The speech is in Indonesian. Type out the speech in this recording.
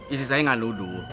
isi saya gak luduh